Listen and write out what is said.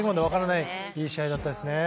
いい試合でしたね。